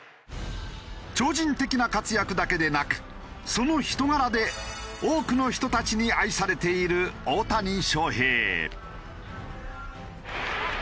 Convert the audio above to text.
超人的な活躍だけでなくその人柄で多くの人たちに愛されている大谷翔平。